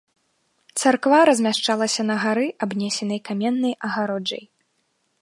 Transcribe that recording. Царква размяшчалася на гары абнесенай каменнай агароджай.